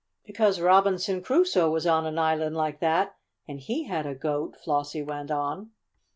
"Because Robinson Crusoe was on an island like that and he had a goat," Flossie went on.